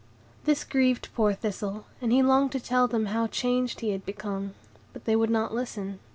This grieved poor Thistle, and he longed to tell them how changed he had become; but they would not listen.